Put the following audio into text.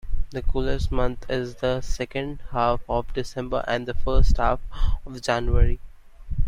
The coldest month is the second half of December and first half of January.